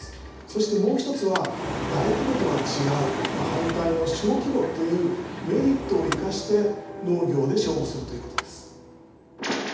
そしてもう一つは大規模とは違うまあ反対の小規模というメリットを生かして農業で勝負するということです。